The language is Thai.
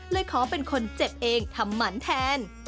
เลยขอเป็นคนเจ็บเองทำหมันแทน